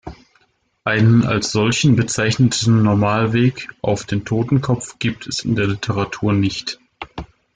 Einen als solchen bezeichneten Normalweg auf den Totenkopf gibt es in der Literatur nicht.